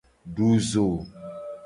Du zo.